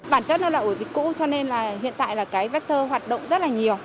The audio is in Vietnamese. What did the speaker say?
bản chất nó là ổ dịch cũ cho nên là hiện tại là cái vector hoạt động rất là nhiều